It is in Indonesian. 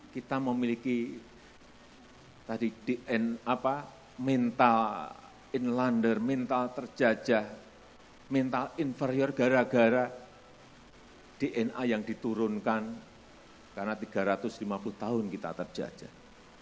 kita memiliki tadi mental inlander mental terjajah mental inferior gara gara dna yang diturunkan karena tiga ratus lima puluh tahun kita terjajah